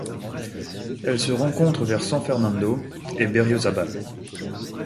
Elle se rencontre vers San Fernando et Berriozábal.